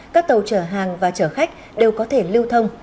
các tàu chở hàng và chở khách đều có thể lưu thông